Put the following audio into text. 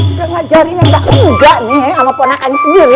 gak mau ngajarin yang gak engga nih sama ponakannya sendiri